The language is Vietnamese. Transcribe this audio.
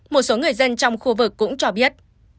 một số người dân trong khu vực cũng cho biết